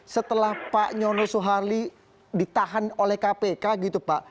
setelah pak nyono suharli ditahan oleh kpk gitu pak